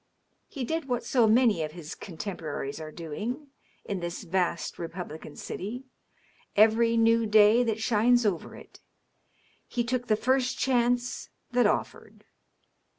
He did what so many of his contemporaries are doing, in this vast republican city, every new day that shines over it : he took the first chance that offered.